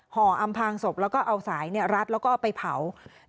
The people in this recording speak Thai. ห่ออำพางศพและก็เอาสายรัดจึงเอาไปเผา